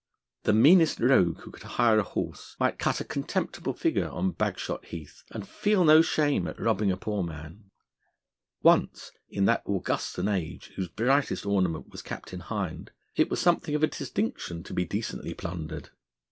The meanest rogue, who could hire a horse, might cut a contemptible figure on Bagshot Heath, and feel no shame at robbing a poor man. Once in that Augustan age, whose brightest ornament was Captain Hind it was something of a distinction to be decently plundered.